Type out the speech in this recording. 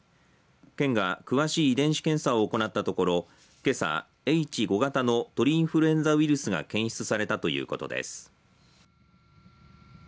県が詳しい遺伝子検査を行ったところけさ、Ｈ５型の鳥インフルエンザウイルスが検出されたということです。